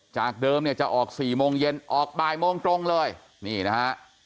จากเดิมเนี่ยจะออก๔โมงเย็นออกบ่ายโมงตรงเลยนี่นะฮะ